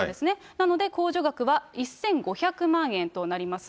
なので、控除額は１５００万円となります。